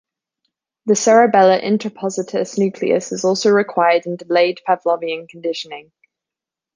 The cerebellar interpositus nucleus is also required in delayed Pavlovian conditioning.